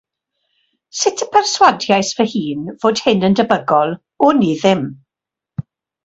Sut y perswadiais fy hun fod hyn yn debygol, wn i ddim.